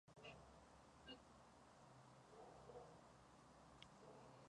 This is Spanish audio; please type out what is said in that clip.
El manuscrito más antiguo de este poema procede de la Abadía de Reichenau, Alemania.